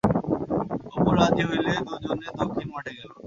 অপু রাজি হইলে দুজনে দক্ষিণ মাঠে গেল।